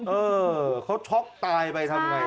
เออเขาช็อกตายไปทำอย่างไร